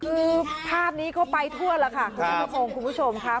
คือภาพนี้ก็ไปทั่วเข้ามันละครับทุกท่าน